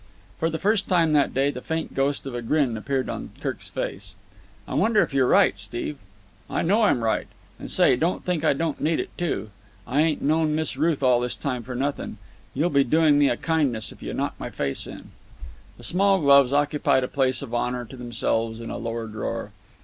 For the first time that day the faint ghost of a grin appeared on Kirk's face. "I wonder if you're right, Steve?" "I know I'm right. And, say, don't think I don't need it, too. I ain't known Miss Ruth all this time for nothing. You'll be doing me a kindness if you knock my face in." The small gloves occupied a place of honour to themselves in a lower drawer.